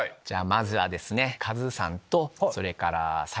まずはですね。